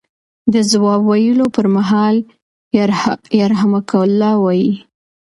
د ځواب ویلو پر مهال یرحمکم الله ووایئ.